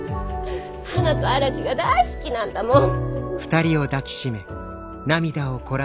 花と嵐が大好きなんだもん！